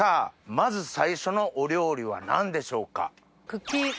まず最初のお料理は何でしょうか？